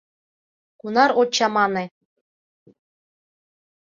— Кунар от чамане.